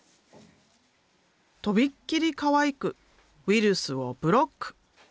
とびっきりかわいくウイルスをブロック！